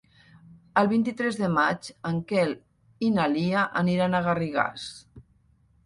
El vint-i-tres de maig en Quel i na Lia aniran a Garrigàs.